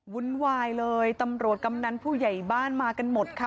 วุ่นวายเลยตำรวจกำนันผู้ใหญ่บ้านมากันหมดค่ะ